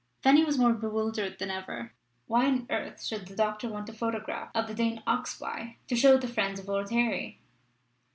Fanny was more bewildered than ever. Why on earth should the doctor want a photograph of the Dane Oxbye to show the friends of Lord Harry?